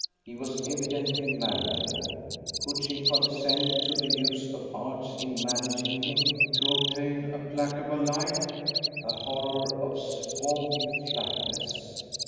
He was evidently manageable. Could she condescend to the use of arts in managing him to obtain a placable life? a horror of swampy flatness!